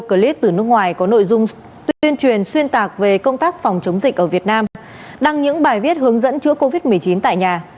clip từ nước ngoài có nội dung tuyên truyền xuyên tạc về công tác phòng chống dịch ở việt nam đăng những bài viết hướng dẫn chữa covid một mươi chín tại nhà